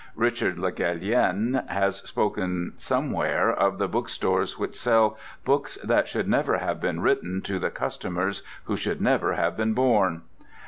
Richard Le Gallienne has spoken somewhere of the bookstores which sell "books that should never have been written to the customers who should never have been born."